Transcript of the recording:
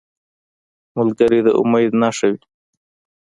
ملګری د امید نښه وي